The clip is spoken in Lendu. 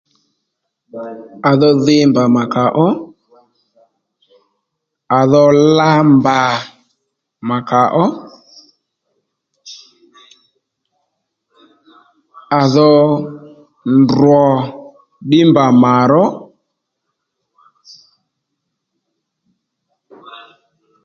À dho dhi mbà mà kà ó à dho la mbà mà kà ó à dho ndrò ddí mbà mà ró